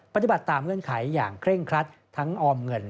ปฏิบัติตามเงื่อนไขอย่างเคร่งครัดทั้งออมเงิน